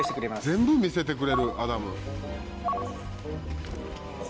全部見せてくれるアダム。